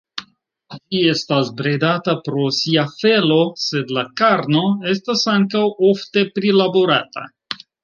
Ĝi estas bredata pro sia felo, sed la karno estas ankaŭ ofte prilaborata.